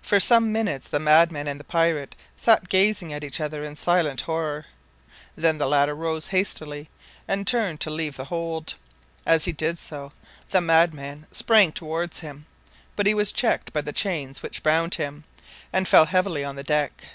For some minutes the madman and the pirate sat gazing at each other in silent horror. Then the latter rose hastily and turned to leave the hold. As he did so, the madman sprang towards him, but he was checked by the chains which bound him, and fell heavily on the deck.